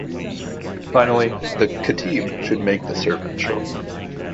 Finally the "khatib" should make the sermon short.